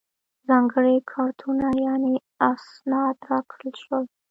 ځانګړي کارتونه یعنې اسناد راکړل شول.